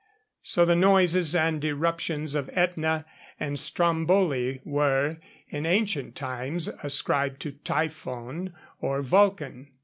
So the noises and eruptions of Etna and Stromboli were in ancient times ascribed to Typhon or Vulcan.